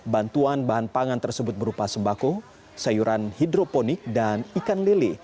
bantuan bahan pangan tersebut berupa sembako sayuran hidroponik dan ikan lele